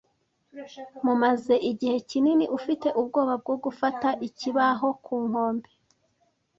Mumaze igihe kinini ufite ubwoba bwo gufata ikibaho ku nkombe,